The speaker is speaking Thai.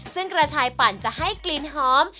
ซึ่งกระชายปั่นจะให้กลิ่นหอม